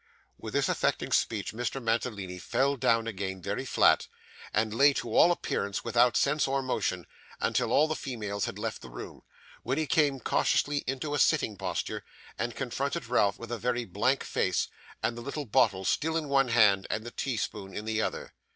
With this affecting speech Mr. Mantalini fell down again very flat, and lay to all appearance without sense or motion, until all the females had left the room, when he came cautiously into a sitting posture, and confronted Ralph with a very blank face, and the little bottle still in one hand and the tea spoon in the other.